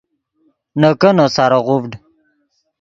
نے کینیکو سارو غوڤڈ